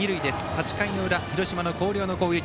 ８回の裏、広島の広陵の攻撃。